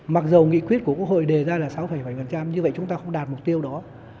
mặc dù nghị quyết của quốc hội đề ra là sáu bảy như vậy chúng ta không đạt mục tiêu đó